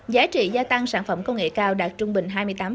giá trị gia tăng sản phẩm công nghệ cao đạt trung bình hai mươi tám